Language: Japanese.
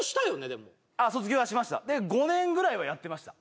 でも卒業はしましたで５年ぐらいはやってました